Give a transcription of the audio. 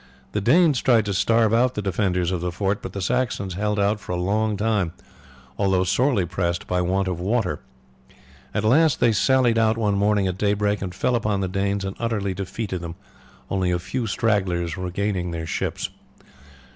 The Danes tried to starve out the defenders of the fort; but the Saxons held out for a long time, although sorely pressed by want of water. At last they sallied out one morning at daybreak and fell upon the Danes and utterly defeated them, only a few stragglers regaining their ships.